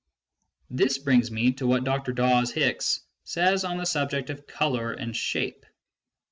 This brings me to what Dr. Dawes Hicks says on the subject of colour and shape.